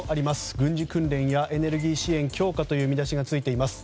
軍事訓練やエネルギー支援強化という見出しです。